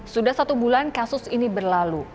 sudah satu bulan kasus ini berlalu